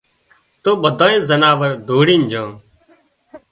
تو ٻڌانئي زناور ڌوڙِي جھان